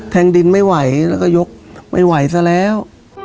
งดินไม่ไหวแล้วก็ยกไม่ไหวซะแล้ว